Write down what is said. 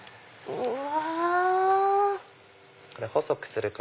うわ！